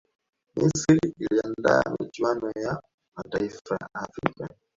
misri iliandaa michuano ya mataifa ya afrika